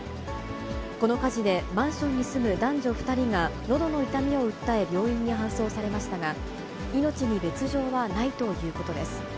この火事でマンションに住む男女２人がのどの痛みを訴え、病院に搬送されましたが、命に別状はないということです。